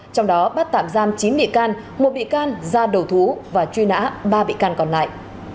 trong đó bắt tạm giam chín bị can một bị can ra đầu thú và truy nã ba bị can còn lại